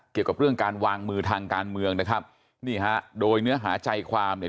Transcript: เกี่ยวกับเรื่องการวางมือทางการเมืองนะครับนี่ฮะโดยเนื้อหาใจความเนี่ย